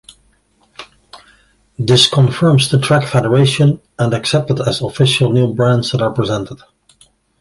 This confirms the track federation and accepted as official new brands that are presented.